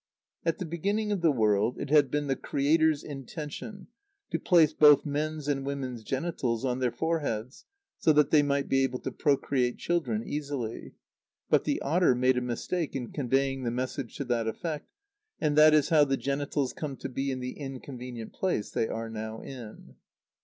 _ At the beginning of the world it had been the Creator's intention to place both men's and women's genitals on their foreheads so that they might be able to procreate children easily. But the otter made a mistake in conveying the message to that effect; and that is how the genitals come to be in the inconvenient place they are now in.